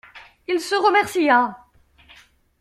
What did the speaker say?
Il se remercia.